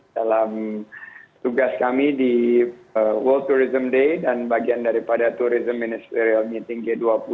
dalam tugas kami di world tourism day dan bagian daripada tourism managerial meeting g dua puluh